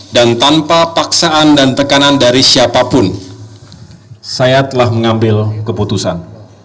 dan tanpa paksaan dan tekanan dari siapapun saya telah mengambil keputusan